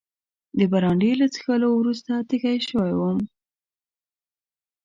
د برانډي له څښلو وروسته تږی شوی وم.